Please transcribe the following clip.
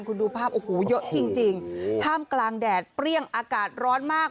คุณดูภาพโอ้โหเยอะจริงจริงท่ามกลางแดดเปรี้ยงอากาศร้อนมาก